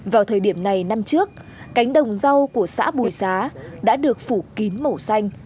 vào thời điểm này năm trước cánh đồng rau của xã bùi xá đã được phủ kín màu xanh